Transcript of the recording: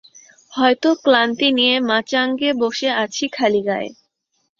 হয়তো ক্লান্তি নিয়ে মাচাঙে বসে আছি খালিগায়ে।